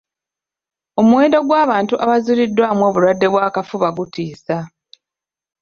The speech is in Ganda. Omuwendo gw'abantu abazuuliddwamu obulwadde bw'akafuba gutiisa.